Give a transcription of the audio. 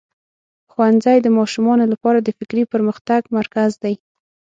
ښوونځی د ماشومانو لپاره د فکري پرمختګ مرکز دی.